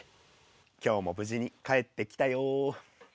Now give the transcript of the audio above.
今日も無事に帰ってきたよ。